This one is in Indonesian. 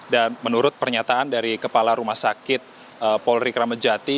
dan menurut pernyataan dari kepala rs polri kramajati